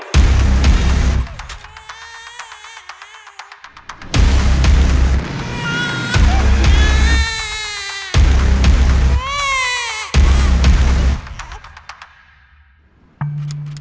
ลูกลูกดาหนูอยู่ในลูก